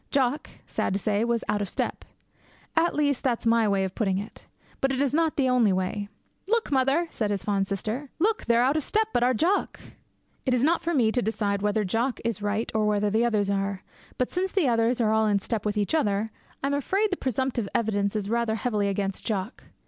Jock, sad to say, was out of step. At least that is my way of putting it. But it is not the only way. 'Look, mother!' said his fond sister, 'look, they're a' oot o' step but our Jock!' It is not for me to decide whether Jock is right or whether the others are. But since the others are all in step with each other, I am afraid the presumptive evidence is rather heavily against Jock.